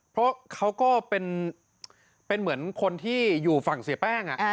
เพราะเขาก็เป็นเหมือนคนที่อยู่ฝั่งเสียแป้ง